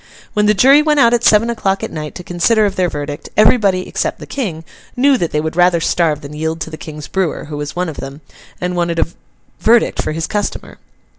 When the jury went out at seven o'clock at night to consider of their verdict, everybody (except the King) knew that they would rather starve than yield to the King's brewer, who was one of them, and wanted a verdict for his customer.